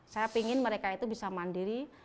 saya ingin mereka itu bisa mandiri